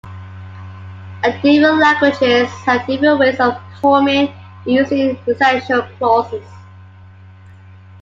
Different languages have different ways of forming and using existential clauses.